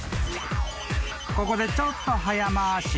［ここでちょっと早回し］